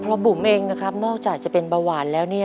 เพราะบุ๋มเองนะครับนอกจากจะเป็นเบาหวานแล้วเนี่ย